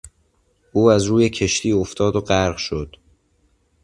او از روی کشتی افتاد و غرق شد.